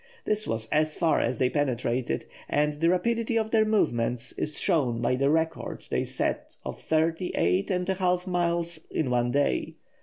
This was as far as they penetrated, and the rapidity of their movements is shown by the record they set of thirty eight and a half miles in one day.